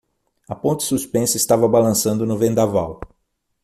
A ponte suspensa estava balançando no vendaval.